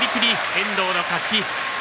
遠藤の勝ち。